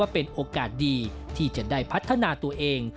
เป็นโอกาสดีที่จะได้พัฒนาตัวเอง